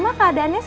apa ruang kesumu